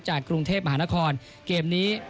กรุงเทพมหานครเกมนี้